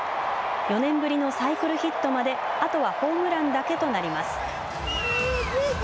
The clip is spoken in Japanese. ４年ぶりのサイクルヒットまであとはホームランだけとなります。